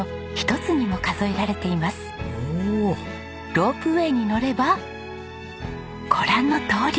ロープウェイに乗ればご覧のとおり。